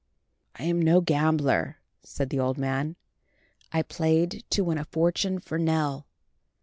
"I am no gambler," said the old man. "I played to win a fortune for Nell.